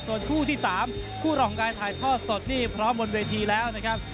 ส่วนคู่ที่๓คู่รองการถ่ายทอดสดนี่พร้อมบนเวทีแล้วนะครับ